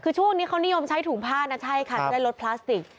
คือช่วงนี้เขานิยมใช้ถุงผ้านะใช่ค่ะจะได้ลดพลาสติก